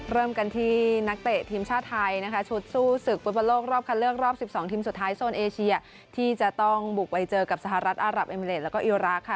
เริ่มกันที่นักเตะทีมชาติไทยนะคะชุดสู้ศึกฟุตบอลโลกรอบคันเลือกรอบ๑๒ทีมสุดท้ายโซนเอเชียที่จะต้องบุกไปเจอกับสหรัฐอารับเอมิเลสแล้วก็อิราค่ะ